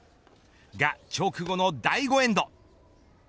が、直後の第５エンド。